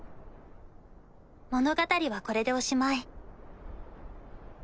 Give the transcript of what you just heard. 物語はこれでおしまい。